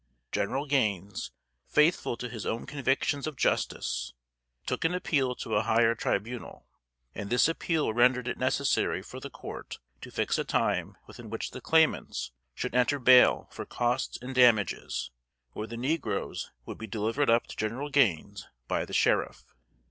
General Gaines, faithful to his own convictions of justice, took an appeal to a higher tribunal; and this appeal rendered it necessary for the court to fix a time within which the claimants should enter bail for costs and damages, or the negroes would be delivered up to General Gaines by the sheriff.